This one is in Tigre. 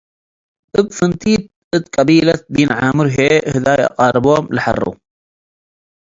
እብ ፍንቲት እት ቀቢለት ቢን-ዓምር ህዬ ህዳይ አቃርቦም ለሐሩ ።